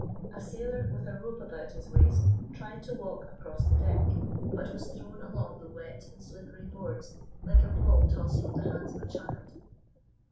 A sailor with a rope about his waist tried to walk across the deck, but was thrown along the wet and slippery boards like a ball tossed from the hands of a child.